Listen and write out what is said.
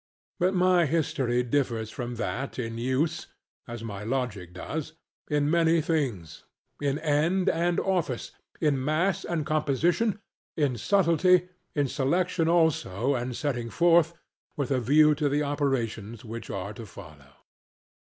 But my history differs from that in use (as my logic does) in many things, in end and office, in mass and composition, in subtlety, in selection also and setting forth, with a view to the operations which are to follow.